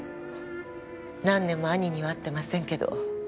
何年も兄には会ってませんけど。